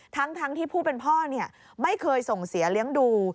ทั้งที่ผู้เป็นพ่อไม่เคยส่งเสียเลี้ยงดู